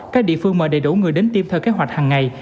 các địa phương mời đầy đủ người đến tiêm theo kế hoạch hàng ngày